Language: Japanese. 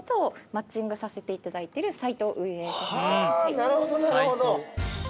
なるほどなるほど。